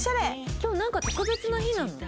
今日なんか特別な日なの？